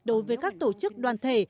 đối với các tổ chức đoàn thể